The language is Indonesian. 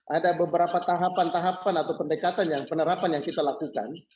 ada beberapa tahapan tahapan atau pendekatan yang penerapan yang kita lakukan